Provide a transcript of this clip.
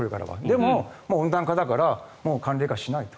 でも、温暖化だからもう寒冷化しないと。